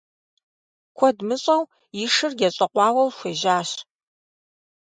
Куэд мыщӏэу и шыр ещӏэкъуауэу хуежьащ.